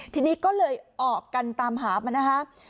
ทีนี้ก็เลยออกกันตามหามานะคะ